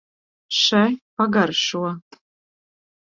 Še, pagaršo!